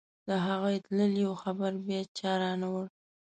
د هغو تللیو خبر بیا چا رانه وړ.